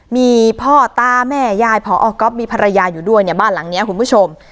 มีพ่อตาแม่ยายพอก๊อฟมีภรรยาอยู่ด้วยเนี่ยบ้านหลังนี้คุณผู้ชม